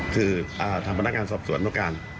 คือทางพนักงานสอบสวนต้องการ